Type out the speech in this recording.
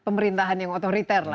pemerintahan yang otoriter